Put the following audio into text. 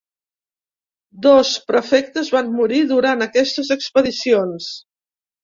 Dos prefectes van morir durant aquestes expedicions.